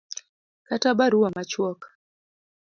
kata barua machuok